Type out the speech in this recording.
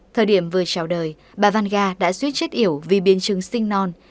thời điểm vừa trào đời bà vanga đã suýt chết yểu vì biến chứng sinh